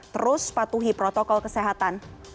terus patuhi protokol kesehatan